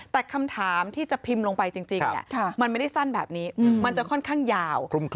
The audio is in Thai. แต่คำถามที่จะพิมพ์ลงไปจริงมันไม่ได้สั้นแบบนี้มันจะค่อนข้างยาว